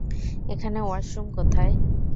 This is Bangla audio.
এখানে ওয়াশরুম কোথায়?